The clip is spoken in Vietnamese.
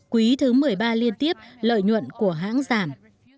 quý thứ một mươi ba liên tiếp lợi nhuận của hãng giảm